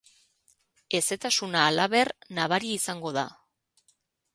Hezetasuna, halaber, nabaria izango da.